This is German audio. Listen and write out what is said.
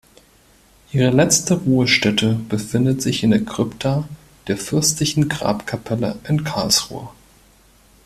Ihre letzte Ruhestätte befindet sich in der Krypta der fürstlichen Grabkapelle in Karlsruhe.